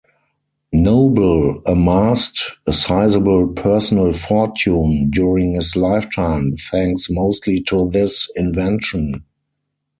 Nobel amassed a sizeable personal fortune during his lifetime, thanks mostly to this invention.